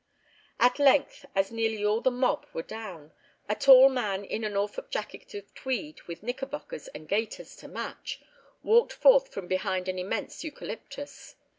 At length, as nearly all the "mob" were down, a tall man in a Norfolk jacket of tweed with knickerbockers and gaiters to match, walked forth from behind an immense eucalyptus.